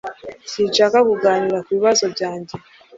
Sinshaka kuganira kubibazo byanjye